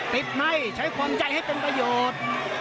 ไม่ใช้ความใจให้เป็นประโยชน์